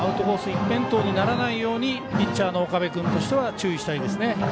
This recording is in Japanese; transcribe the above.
一辺倒にならないようにピッチャーの岡部君としては注意したいですね。